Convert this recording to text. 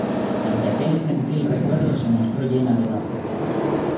ante aquel gentil recuerdo se mostró llena de enojo.